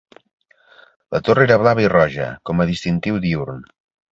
La torre era blava i roja com a distintiu diürn.